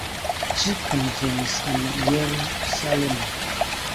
Ĝi kunvenis en Jerusalemo.